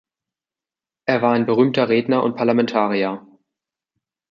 Er war ein berühmter Redner und Parlamentarier.